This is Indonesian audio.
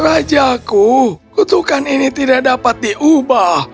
rajaku kutukan ini tidak dapat diubah